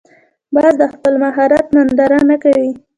باز د خپل مهارت ننداره نه کوي